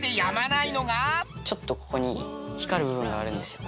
ちょっとここに光る部分があるんですよ